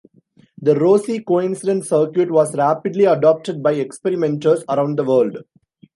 The Rossi coincidence circuit was rapidly adopted by experimenters around the world.